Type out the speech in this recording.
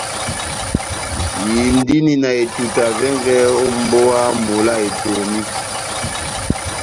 Indini na etuta vɛngɛ ó mbówa mola Etomi.